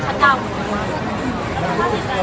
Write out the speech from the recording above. ช่องความหล่อของพี่ต้องการอันนี้นะครับ